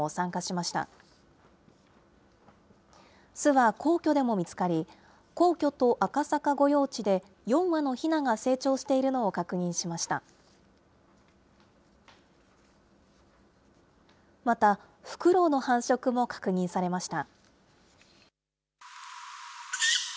また、フクロウの繁殖も確認されました。